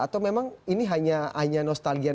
atau memang ini hanya nostalgia